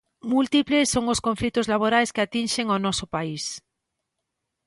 Múltiples son os conflitos laborais que atinxen o noso país.